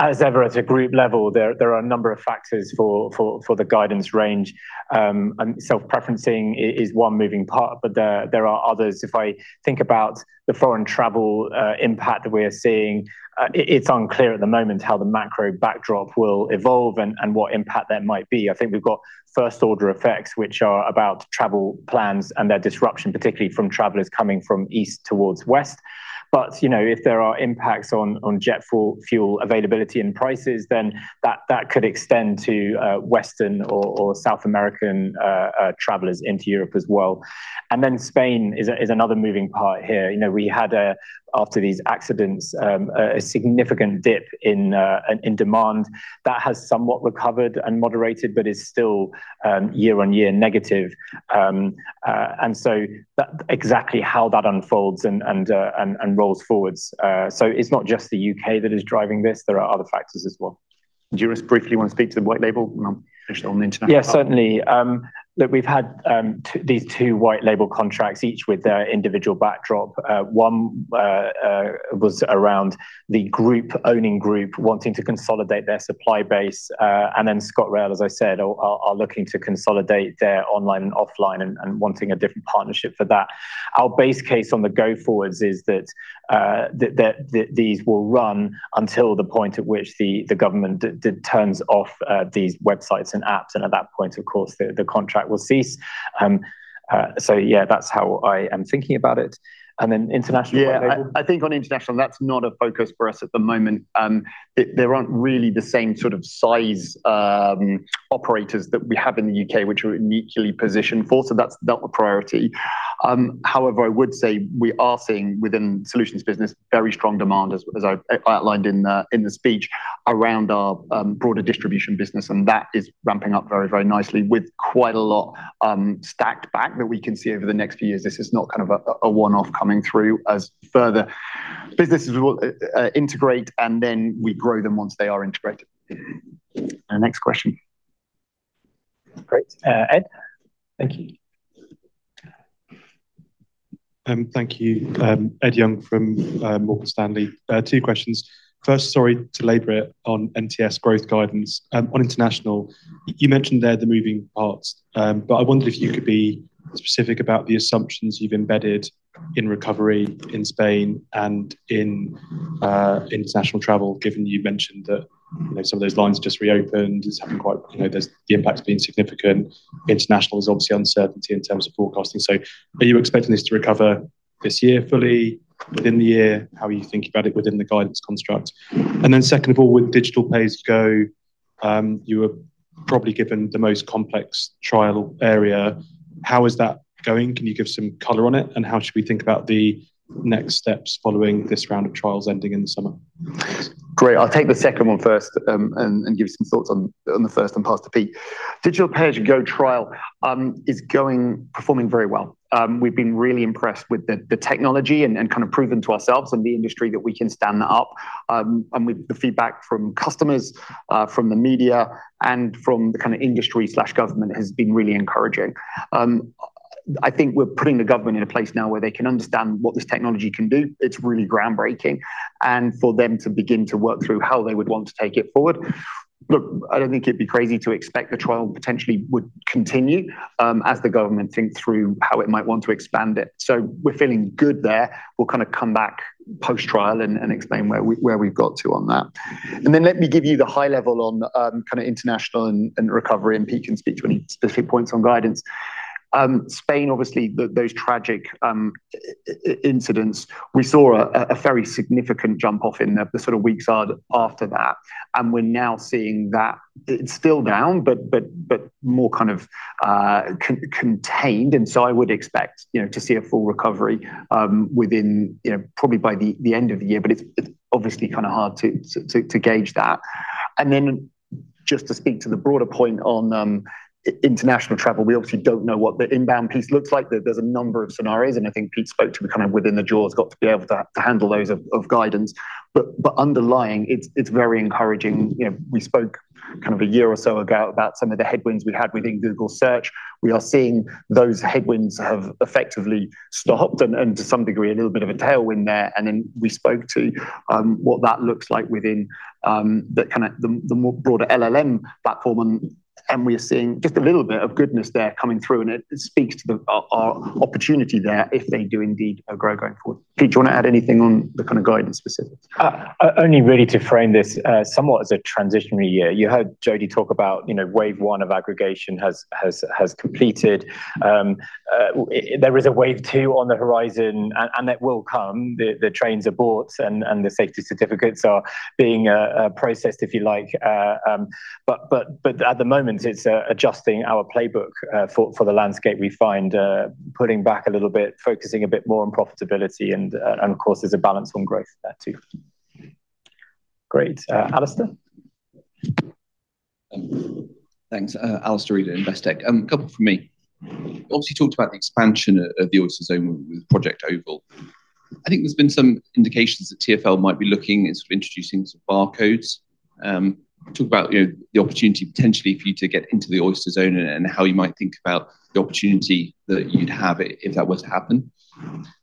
as ever at a group level, there are a number of factors for the guidance range. Self-preferencing is one moving part, but there are others. If I think about the foreign travel impact that we're seeing, it's unclear at the moment how the macro backdrop will evolve and what impact that might be. I think we've got first order effects, which are about travel plans and their disruption, particularly from travelers coming from east towards west. You know, if there are impacts on jet fuel availability and prices, then that could extend to Western or South American travelers into Europe as well. Spain is another moving part here. You know, we had a, after these accidents, a significant dip in demand. That has somewhat recovered and moderated, but is still year-on-year negative. That exactly how that unfolds and rolls forwards. It's not just the U.K. that is driving this, there are other factors as well. Do you just briefly wanna speak to the white label when I'm finished on the international part? Yeah, certainly. We've had these two white label contracts, each with their individual backdrop. One was around the group, owning group wanting to consolidate their supply base. Then ScotRail, as I said, are looking to consolidate their online and offline and wanting a different partnership for that. Our base case on the go forwards is that these will run until the point at which the government turns off these websites and apps. At that point, of course, the contract will cease. That's how I am thinking about it. Then international white label? Yeah. I think on international, that's not a focus for us at the moment. There aren't really the same sort of size operators that we have in the U.K. which we're uniquely positioned for. That's not the priority. However, I would say we are seeing within solutions business very strong demand, as I outlined in the speech, around our broader distribution business. That is ramping up very, very nicely with quite a lot stacked back that we can see over the next few years. This is not kind of a one-off coming through as further businesses will integrate, and then we grow them once they are integrated. Next question. Great. Ed. Thank you. Thank you. Ed Young from Morgan Stanley. Two questions. First, sorry to labor it on NTS growth guidance. On international, you mentioned there the moving parts. I wondered if you could be specific about the assumptions you've embedded in recovery in Spain and in international travel, given you mentioned that, some of those lines just reopened. The impact's been significant. International's obviously uncertainty in terms of forecasting. Are you expecting this to recover this year fully, within the year? How are you thinking about it within the guidance construct? Second of all, with Digital Pay-As-You-Go, you were probably given the most complex trial area. How is that going? Can you give some color on it, and how should we think about the next steps following this round of trials ending in the summer? Great. I'll take the second one first, and give some thoughts on the first and pass to Pete. Digital Pay-As-You-Go trial is going, performing very well. We've been really impressed with the technology and kind of proven to ourselves and the industry that we can stand that up. And with the feedback from customers, from the media and from the kind of industry/government has been really encouraging. I think we're putting the government in a place now where they can understand what this technology can do. It's really groundbreaking. For them to begin to work through how they would want to take it forward. Look, I don't think it'd be crazy to expect the trial potentially would continue, as the government think through how it might want to expand it. We're feeling good there. We'll kind of come back post-trial and explain where we've got to on that. Let me give you the high level on kind of international and recovery and Pete can speak to any specific points on guidance. Spain, obviously, those tragic incidents, we saw a very significant jump off in the sort of weeks after that, and we're now seeing that it's still down but more kind of contained. I would expect, you know, to see a full recovery, within, you know, probably by the end of the year. It's obviously kind of hard to gauge that. Just to speak to the broader point on international travel, we obviously don't know what the inbound piece looks like. There's a number of scenarios, and I think Pete spoke to the kind of within the jaws got to be able to handle those of guidance. Underlying it's very encouraging. You know, we spoke kind of a year or so ago about some of the headwinds we'd had within Google Search. We are seeing those headwinds have effectively stopped and to some degree, a little bit of a tailwind there. Then we spoke to what that looks like within the kind of the more broader LLM platform. We are seeing just a little bit of goodness there coming through, and it speaks to our opportunity there if they do indeed grow going forward. Pete, do you want to add anything on the kind of guidance specifics? Only really to frame this somewhat as a transitional year. You heard Jody talk about, you know, wave one of aggregation has completed. There is a wave two on the horizon and that will come. The trains are bought, and the safety certificates are being processed, if you like. At the moment, it's adjusting our playbook for the landscape we find, pulling back a little bit, focusing a bit more on profitability and, of course, there's a balance on growth there too. Great. Alastair? Thanks. Alastair Reid, Investec. Couple from me. You obviously talked about the expansion of the Oyster zone with Project Oval. I think there's been some indications that TfL might be looking at sort of introducing some barcodes. Talk about, you know, the opportunity potentially for you to get into the Oyster zone and how you might think about the opportunity that you'd have if that were to happen.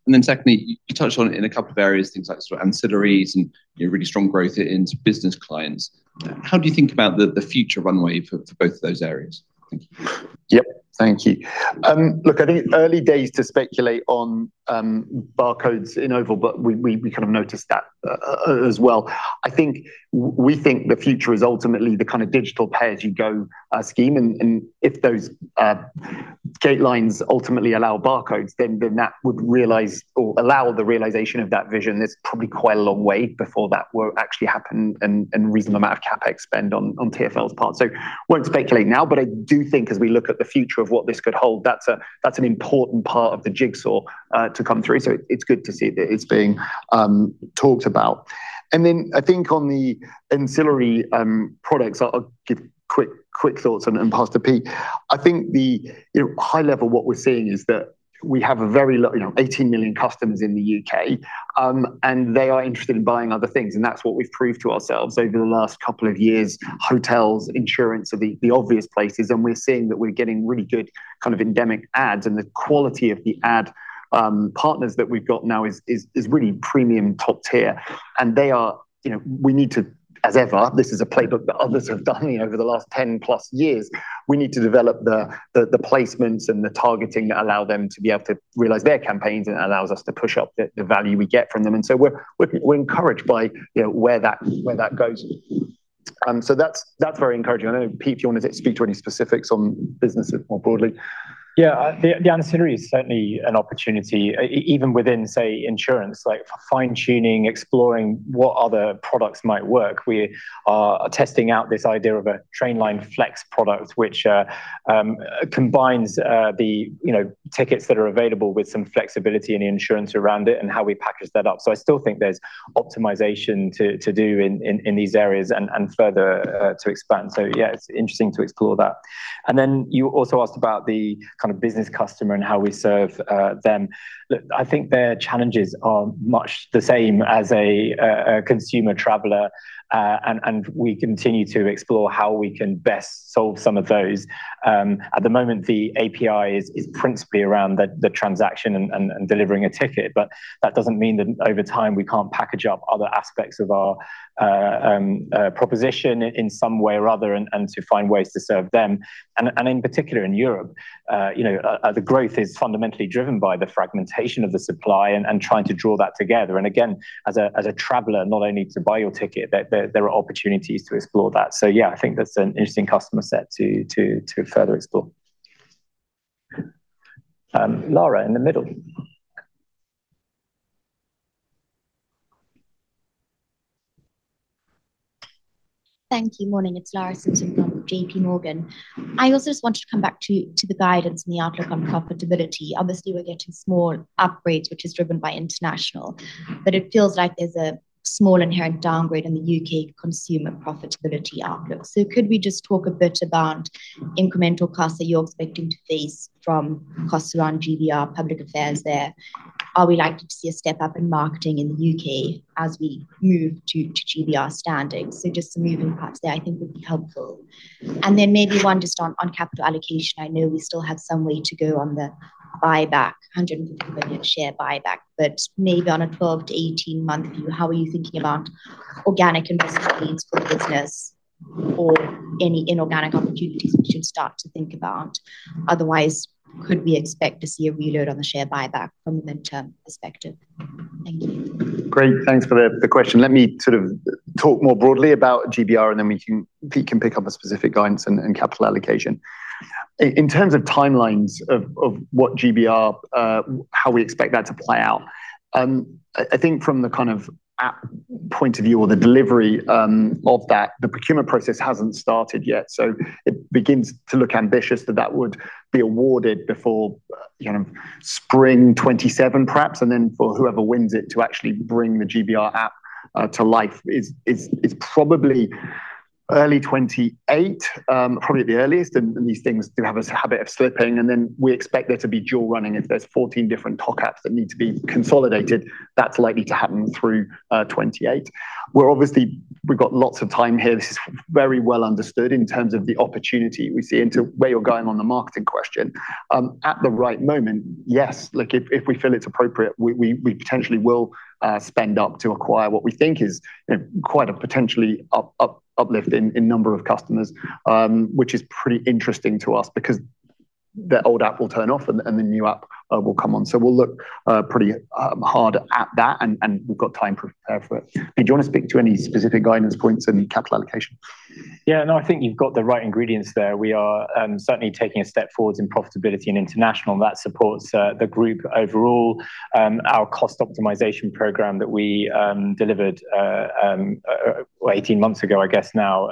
Then secondly, you touched on it in a couple of areas, things like sort of ancillaries and, you know, really strong growth in business clients. How do you think about the future runway for both of those areas? Thank you. Yep. Thank you. Look, I think early days to speculate on barcodes in Oval, but we kind of noticed that as well. I think, we think the future is ultimately the kind of Digital Pay-As-You-Go scheme. If those gate lines ultimately allow barcodes, then that would realize or allow the realization of that vision. There's probably quite a long way before that will actually happen and reasonable amount of CapEx spend on TfL's part. Won't speculate now, but I do think as we look at the future of what this could hold, that's an important part of the jigsaw to come through. It's good to see that it's being talked about. I think on the ancillary products, I'll give quick thoughts on it and pass to Pete. I think the, you know, high level what we're seeing is that we have a very, you know, 18 million customers in the U.K. They are interested in buying other things, and that's what we've proved to ourselves over the last couple of years. Hotels, insurance are the obvious places, and we're seeing that we're getting really good kind of endemic ads and the quality of the ad partners that we've got now is really premium top tier. You know, we need to, as ever, this is a playbook that others have done, you know, over the last 10+ years. We need to develop the placements and the targeting that allow them to be able to realize their campaigns, and it allows us to push up the value we get from them. So we're encouraged by, you know, where that goes. So that's very encouraging. I don't know, Pete, if you want to speak to any specifics on businesses more broadly. Yeah, the ancillary is certainly an opportunity, even within, say, insurance, like fine-tuning, exploring what other products might work. We are testing out this idea of a Trainline Flex product, which combines the, you know, tickets that are available with some flexibility and the insurance around it and how we package that up. I still think there's optimization to do in these areas and further to expand. Yeah, it's interesting to explore that. Then you also asked about the kind of business customer and how we serve them. Look, I think their challenges are much the same as a consumer traveler. We continue to explore how we can best solve some of those. At the moment, the API is principally around the transaction and delivering a ticket. That doesn't mean that over time we can't package up other aspects of our proposition in some way or other and to find ways to serve them. In particular in Europe, you know, the growth is fundamentally driven by the fragmentation of the supply and trying to draw that together. Again, as a traveler, not only to buy your ticket, there are opportunities to explore that. Yeah, I think that's an interesting customer set to further explore. Lara, in the middle. Thank you. Morning, it's Lara Simpson from JPMorgan. I also just wanted to come back to the guidance and the outlook on profitability. Obviously, we're getting small upgrades, which is driven by international. It feels like there's a small inherent downgrade in the U.K. consumer profitability outlook. Could we just talk a bit about incremental costs that you're expecting to face from costs around GBR Public Affairs there? Are we likely to see a step-up in marketing in the U.K. as we move to GBR standing? Just some movement perhaps there I think would be helpful. Maybe one just on capital allocation. I know we still have some way to go on the buyback, 150 million share buyback. Maybe on a 12 to 18-month view, how are you thinking about organic investment needs for the business or any inorganic opportunities we should start to think about? Otherwise, could we expect to see a reload on the share buyback from a midterm perspective? Thank you. Great. Thanks for the question. Let me sort of talk more broadly about GBR, and then Pete can pick up on specific guidance and capital allocation. In terms of timelines of what GBR, how we expect that to play out, I think from the kind of app point of view or the delivery of that, the procurement process hasn't started yet, so it begins to look ambitious that that would be awarded before, you know, spring 2027 perhaps, and then for whoever wins it to actually bring the GBR app to life is probably early 2028, probably at the earliest, and these things do have a habit of slipping, and then we expect there to be dual running. If there's 14 different TOC apps that need to be consolidated, that's likely to happen through 2028. We're obviously We've got lots of time here. This is very well understood in terms of the opportunity we see. To where you're going on the marketing question, at the right moment, yes. Like, if we feel it's appropriate, we potentially will spend up to acquire what we think is, you know, quite a potentially uplift in number of customers, which is pretty interesting to us because the old app will turn off and the new app will come on. We'll look pretty hard at that, and we've got time to prepare for it. Pete, do you wanna speak to any specific guidance points on the capital allocation? Yeah. No, I think you've got the right ingredients there. We are certainly taking a step forwards in profitability in international, and that supports the group overall. Our cost optimization program that we delivered 18 months ago, I guess now,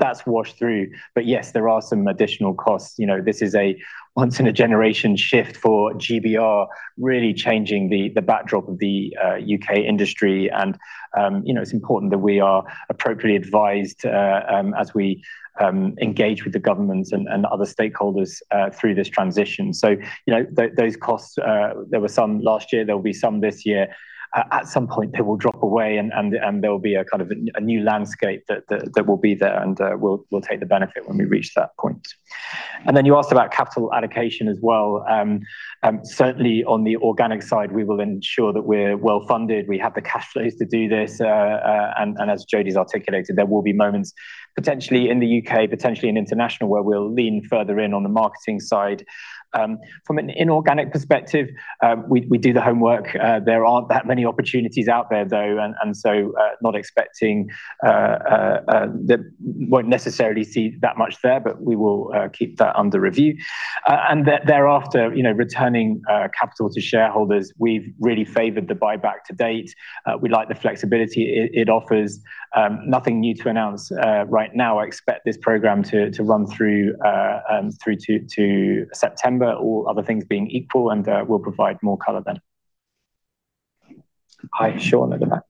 that's washed through. Yes, there are some additional costs. You know, this is a once in a generation shift for GBR, really changing the backdrop of the U.K. industry. You know, it's important that we are appropriately advised as we engage with the governments and other stakeholders through this transition. You know, those costs, there were some last year, there will be some this year. At some point they will drop away and there will be a kind of a new landscape that will be there, and we'll take the benefit when we reach that point. You asked about capital allocation as well. Certainly on the organic side, we will ensure that we're well-funded. We have the cash flows to do this. And as Jody's articulated, there will be moments potentially in the U.K., potentially in international, where we'll lean further in on the marketing side. From an inorganic perspective, we do the homework. There aren't that many opportunities out there, though, and so, not expecting that won't necessarily see that much there, but we will keep that under review. Thereafter, you know, returning capital to shareholders, we've really favored the buyback to date. We like the flexibility it offers. Nothing new to announce right now. I expect this program to run through to September, all other things being equal, and we'll provide more color then. Hi. Sean at the back.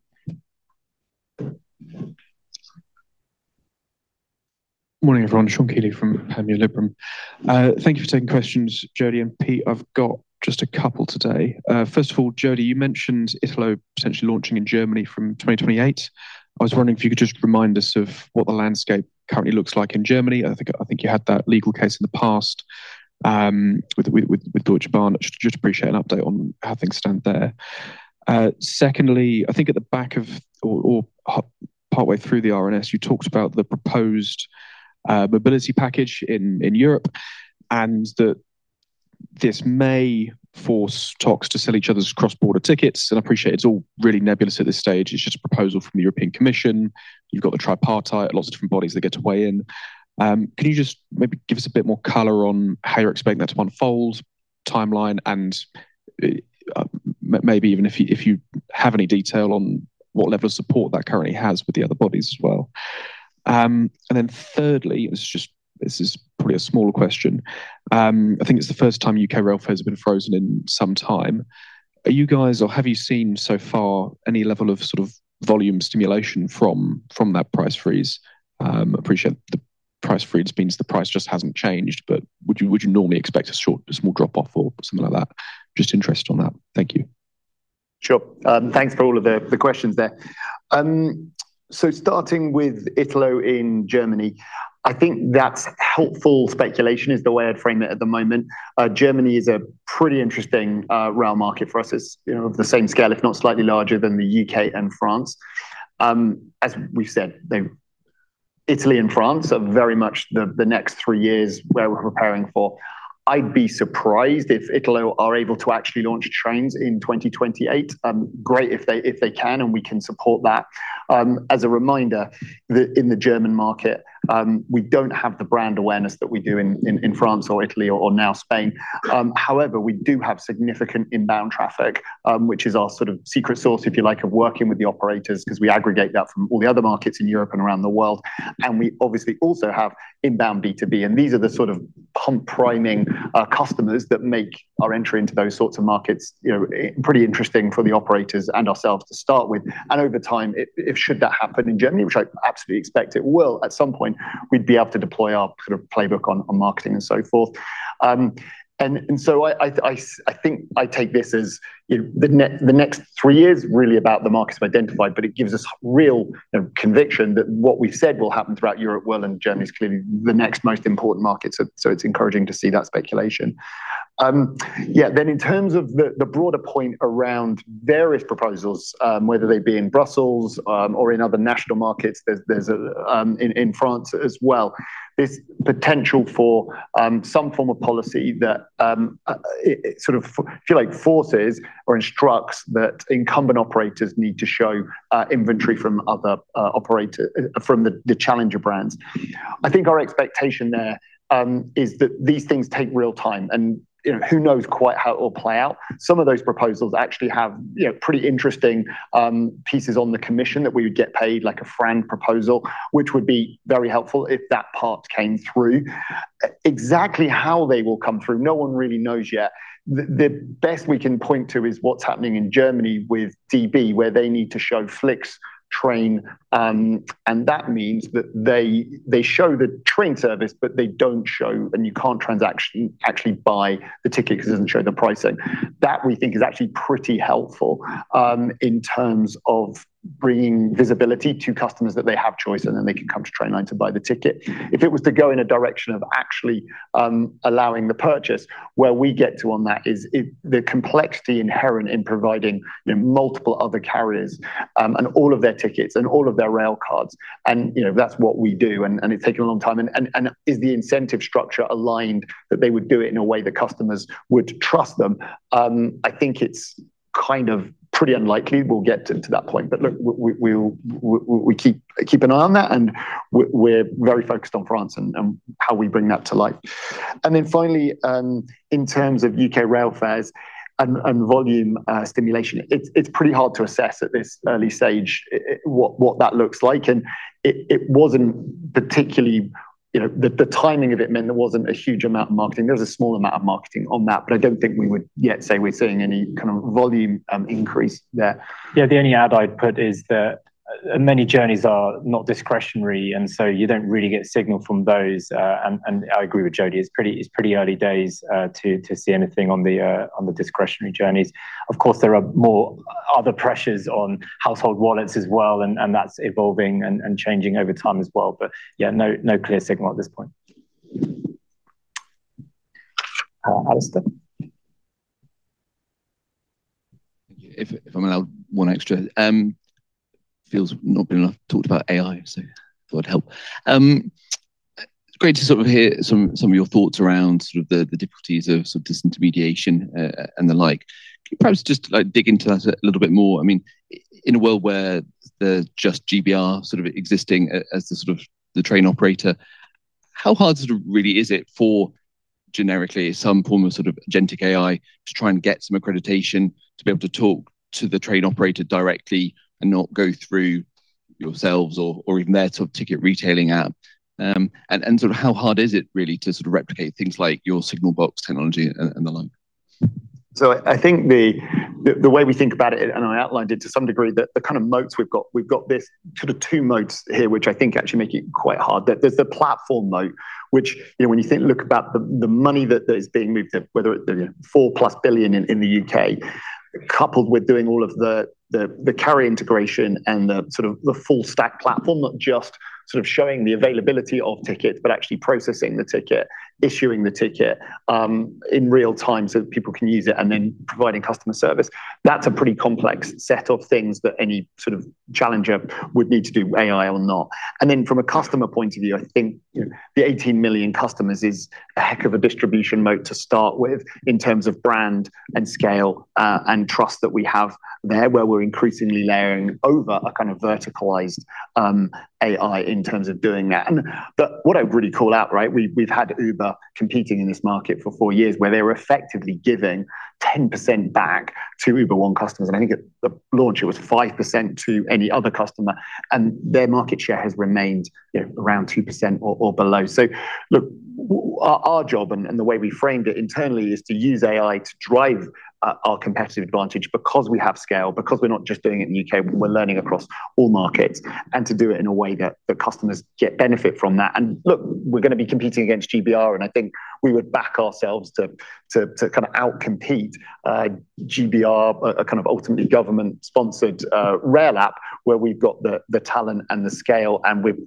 Morning, everyone. Sean Kealy from Panmure Liberum. Thank you for taking questions, Jody and Pete. I've got just a couple today. First of all, Jody, you mentioned Italo potentially launching in Germany from 2028. I was wondering if you could just remind us of what the landscape currently looks like in Germany. I think you had that legal case in the past with Deutsche Bahn. I just appreciate an update on how things stand there. Secondly, I think at the back of partway through the RNS, you talked about the proposed Mobility Package in Europe, and that this may force talks to sell each other's cross-border tickets. I appreciate it's all really nebulous at this stage. It's just a proposal from the European Commission. You've got the tripartite, lots of different bodies that get to weigh in. Can you just maybe give us a bit more color on how you're expecting that to unfold, timeline, and maybe even if you, if you have any detail on what level of support that currently has with the other bodies as well? Then thirdly, this is just, this is probably a smaller question. I think it's the first time U.K. rail fares have been frozen in some time. Are you guys or have you seen so far any level of sort of volume stimulation from that price freeze? Appreciate the price freeze means the price just hasn't changed, would you normally expect a short, a small drop-off or something like that? Just interested on that. Thank you. Sure. Thanks for all of the questions there. Starting with Italo in Germany, I think that's helpful speculation is the way I'd frame it at the moment. Germany is a pretty interesting rail market for us. It's, you know, of the same scale, if not slightly larger than the U.K. and France. As we've said, Italy and France are very much the next three years where we're preparing for. I'd be surprised if Italo are able to actually launch trains in 2028. Great if they can and we can support that. As a reminder, in the German market, we don't have the brand awareness that we do in France or Italy or now Spain. However, we do have significant inbound traffic, which is our sort of secret source, if you like, of working with the operators 'cause we aggregate that from all the other markets in Europe and around the world. We obviously also have inbound B2B, and these are the sort of pump priming customers that make our entry into those sorts of markets, you know, pretty interesting for the operators and ourselves to start with. Over time, if should that happen in Germany, which I absolutely expect it will, at some point we'd be able to deploy our sort of playbook on marketing and so forth. I think I take this as, you know, the next three years really about the markets we've identified, but it gives us real, you know, conviction that what we've said will happen throughout Europe will, and Germany's clearly the next most important market. It's encouraging to see that speculation. Yeah. In terms of the broader point around various proposals, whether they be in Brussels, or in other national markets, there's in France as well, there's potential for some form of policy that it sort of feel like forces or instructs that incumbent operators need to show inventory from other operator from the challenger brands. I think our expectation there, is that these things take real time and, you know, who knows quite how it will play out. Some of those proposals actually have, you know, pretty interesting pieces on the commission that we would get paid like a French proposal, which would be very helpful if that part came through. Exactly how they will come through, no one really knows yet. The best we can point to is what's happening in Germany with DB, where they need to show FlixTrain, and that means that they show the train service, but they don't show, and you can't transaction, actually buy the ticket 'cause it doesn't show the pricing. That we think is actually pretty helpful, in terms of bringing visibility to customers that they have choice and then they can come to Trainline to buy the ticket. If it was to go in a direction of actually, allowing the purchase, where we get to on that is the complexity inherent in providing, you know, multiple other carriers, and all of their tickets and all of their rail cards and, you know, that's what we do and it's taking a long time. Is the incentive structure aligned that they would do it in a way that customers would trust them? I think it's kind of pretty unlikely we'll get to that point. Look, we keep an eye on that, and we're very focused on France and how we bring that to life. Finally, in terms of U.K. rail fares and volume stimulation, it's pretty hard to assess at this early stage what that looks like. It wasn't particularly, you know, the timing of it meant there wasn't a huge amount of marketing. There was a small amount of marketing on that, but I don't think we would yet say we're seeing any kind of volume increase there. Yeah, the only add I'd put is that, many journeys are not discretionary, and so you don't really get signal from those. I agree with Jody, it's pretty early days, to see anything on the discretionary journeys. Of course, there are more other pressures on household wallets as well, and that's evolving and changing over time as well. Yeah, no clear signal at this point. Alastair. Thank you. If I may add one extra. Feels not been enough talked about AI, so thought I'd help. Great to hear some of your thoughts around the difficulties of disintermediation and the like. Could you perhaps just like dig into that a little bit more? I mean, in a world where the GBR existing as the train operator, how hard really is it for generically some form of agentic AI to try and get some accreditation to be able to talk to the train operator directly and not go through yourselves or even their ticket retailing app? How hard is it really to replicate things like your Signalbox technology and the like? I think the way we think about it, and I outlined it to some degree, the kind of moats we've got, we've got this sort of two moats here, which I think actually make it quite hard. There's the platform moat, which, you know, when you think, look about the money that is being moved, whether it, the 4+ billion in the U.K., coupled with doing all of the carry integration and the sort of full stack platform, not just sort of showing the availability of tickets, but actually processing the ticket, issuing the ticket in real time so that people can use it, and then providing customer service. That's a pretty complex set of things that any sort of challenger would need to do, AI or not. Then from a customer point of view, I think, you know, the 18 million customers is a heck of a distribution moat to start with in terms of brand and scale, and trust that we have there, where we're increasingly layering over a kind of verticalized AI in terms of doing that. But what I would really call out, right, we've had Uber competing in this market for four years, where they were effectively giving 10% back to Uber One customers, and I think at the launch it was 5% to any other customer, and their market share has remained, you know, around 2% or below. Look, our job and the way we framed it internally is to use AI to drive our competitive advantage because we have scale, because we're not just doing it in the U.K., we're learning across all markets, and to do it in a way that the customers get benefit from that. Look, we're gonna be competing against GBR, and I think we would back ourselves to kind of outcompete GBR, a kind of ultimately government-sponsored rail app where we've got the talent and the scale, and we've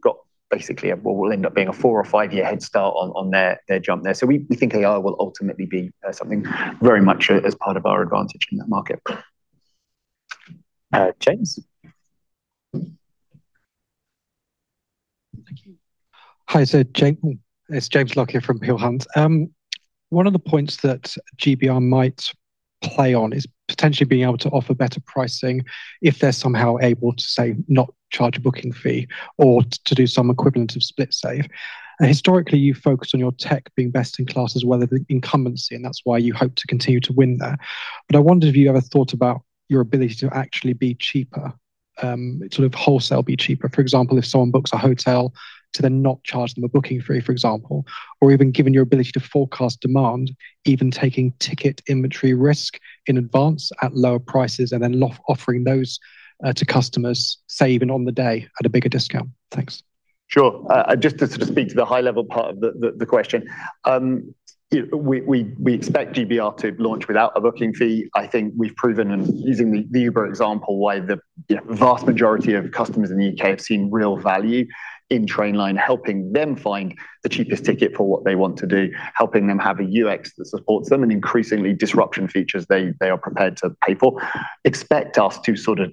got basically what will end up being a four or five-year head start on their jump there. We think AI will ultimately be something very much as part of our advantage in that market. James? Thank you. Hi, it's James Lockyer here from Peel Hunt. One of the points that GBR might play on is potentially being able to offer better pricing if they're somehow able to, say, not charge a booking fee or to do some equivalent of SplitSave. Historically, you've focused on your tech being best in class as well as the incumbency, and that's why you hope to continue to win there. I wondered if you ever thought about your ability to actually be cheaper, sort of wholesale be cheaper. For example, if someone books a hotel to then not charge them a booking fee, for example. Even given your ability to forecast demand, even taking ticket inventory risk in advance at lower prices and then offering those to customers, say, even on the day at a bigger discount. Thanks. Sure. Just to sort of speak to the high level part of the question. We expect GBR to launch without a booking fee. I think we've proven, using the Uber example, why the, you know, vast majority of customers in the U.K. have seen real value in Trainline, helping them find the cheapest ticket for what they want to do, helping them have a UX that supports them, and increasingly disruption features they are prepared to pay for. Expect us to sort of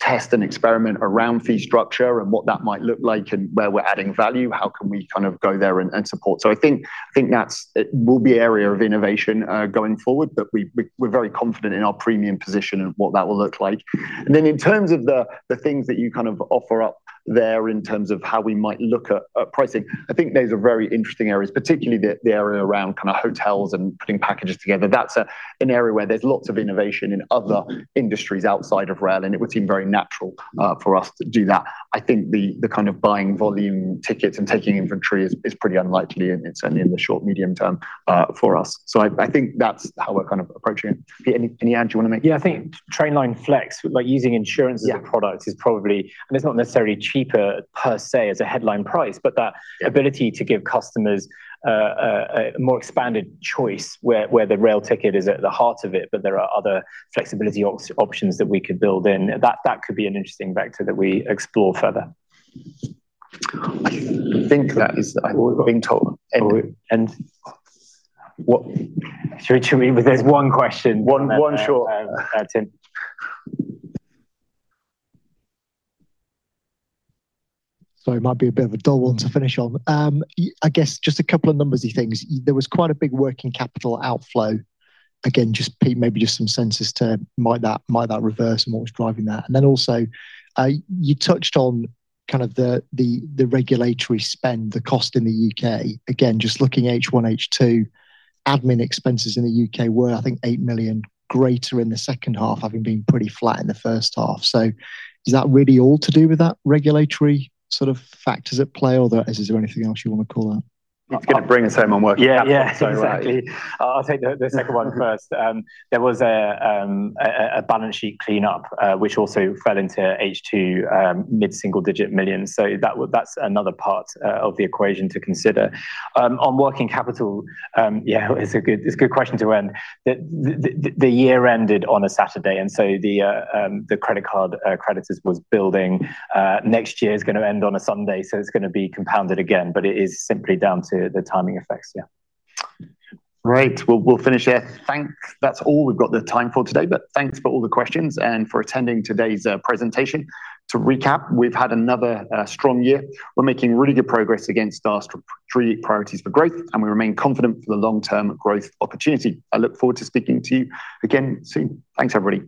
test and experiment around fee structure and what that might look like and where we're adding value, how can we kind of go there and support. I think that's, it will be an area of innovation going forward, but we're very confident in our premium position and what that will look like. In terms of the things that you kind of offer up there in terms of how we might look at pricing, I think those are very interesting areas, particularly the area around kind of hotels and putting packages together. That's an area where there's lots of innovation in other industries outside of rail, and it would seem very natural for us to do that. I think the kind of buying volume tickets and taking inventory is pretty unlikely, and certainly in the short, medium term for us. I think that's how we're kind of approaching it. Pete, any add you want to make? Yeah, I think Trainline Flex, by using insurance. Yeah. As a product is probably. It's not necessarily cheaper per se as a headline price. Yeah. Ability to give customers a more expanded choice where the rail ticket is at the heart of it, but there are other flexibility options that we could build in. That could be an interesting vector that we explore further. I think that is all we've got time for. To me there's one question. One short, Tim. Sorry, it might be a bit of a dull one to finish on. I guess just a couple of numbersy things. There was quite a big working capital outflow. Again, just Pete, maybe just some senses to might that reverse and what was driving that. Also, you touched on kind of the regulatory spend, the cost in the U.K. Again, just looking H1, H2, admin expenses in the U.K. were, I think, 8 million greater in the second half, having been pretty flat in the first half. Is that really all to do with that regulatory sort of factors at play, or is there anything else you want to call out? It's going to bring us home on working capital. Yeah, yeah, exactly. I'll take the second one first. There was a balance sheet cleanup, which also fell into H2, mid-single digit millions. That's another part of the equation to consider. On working capital, yeah, it's a good, it's a good question to end. The year ended on a Saturday, the credit card creditors was building. Next year it's going to end on a Sunday, it's going to be compounded again, but it is simply down to the timing effects, yeah. Great. We'll finish here. That's all we've got the time for today. Thanks for all the questions and for attending today's presentation. To recap, we've had another strong year. We're making really good progress against our strategic priorities for growth, and we remain confident for the long-term growth opportunity. I look forward to speaking to you again soon. Thanks, everybody.